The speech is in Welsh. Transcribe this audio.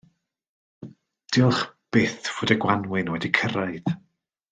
Diolch byth fod y gwanwyn wedi cyrraedd.